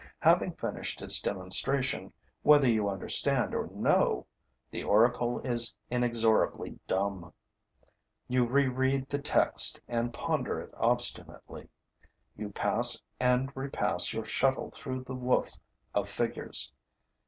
Having finished its demonstration, whether you understand or no, the oracle is inexorably dumb. You reread the text and ponder it obstinately; you pass and repass your shuttle through the woof of figures.